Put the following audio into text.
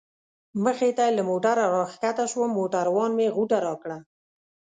مخې ته یې له موټره را کښته شوم، موټروان مې غوټه راکړه.